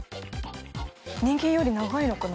人間より長いのかな？